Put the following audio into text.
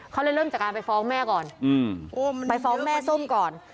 เขาเลยเริ่มจากการไปฟ้องแม่ก่อนไปฟ้องแม่ส้มก่อน